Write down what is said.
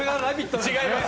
違います！